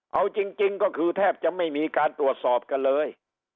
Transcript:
เอาจริงก็คือแทบจะไม่มีการตรวจสอบกันเลย